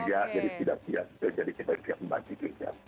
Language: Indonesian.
jadi kita biar membantu kerja